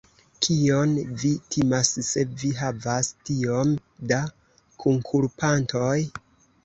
Kion vi timas, se vi havas tiom da kunkulpantoj?